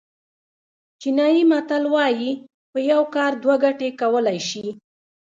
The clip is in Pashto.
چینایي متل وایي په یو کار دوه ګټې کولای شي.